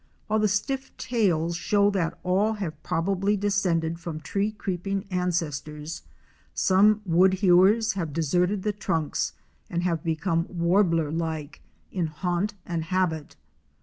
While the stiff tails show that all have probably descended from tree creeping ancestors, some Woodhewers have deserted the trunks and have become Warbler like in haunt and habit.